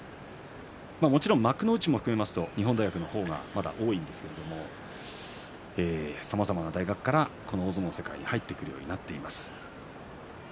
もちろん幕内も含めると日本大学の方がまだ多いんですけれどさまざまな大学から大相撲の世界に入ってくるようになっています。